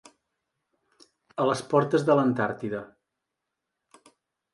A les portes de l'Antàrtida.